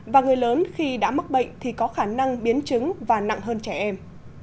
và người lớn khi đã mắc bệnh thì có khả năng biến chứng và nặng hơn trẻ em